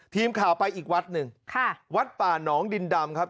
ทีมข่าวไปอีกวัดหนึ่งค่ะวัดป่านองดินดำครับ